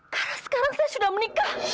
karena sekarang saya sudah menikah